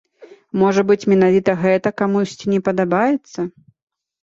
Можа быць, менавіта гэта камусьці не падабаецца?